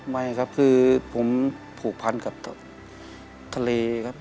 ไม่ครับคือผมผูกพันกับทะเลครับ